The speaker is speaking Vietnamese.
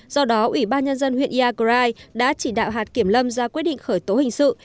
do đó ủy ban nhân dân huyện iagrai đã chỉ đạo hạt kiểm lâm ra quyết định khởi tố hình sự